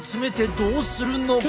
どうするの？